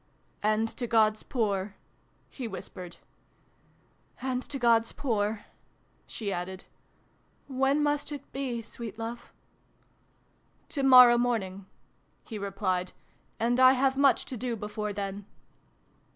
"And to God's poor,' : he whispered. "And to God's poor," she added. "When must it be, sweet love ?" XVI I] TO THE RESCUE! 277 " To morrow morning," he replied. " And I have much to do before then."